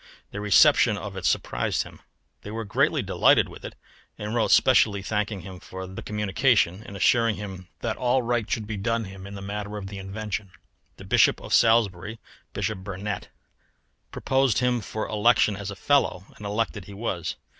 Their reception of it surprised him; they were greatly delighted with it, and wrote specially thanking him for the communication, and assuring him that all right should be done him in the matter of the invention. The Bishop of Salisbury (Bishop Burnet) proposed him for election as a fellow, and elected he was.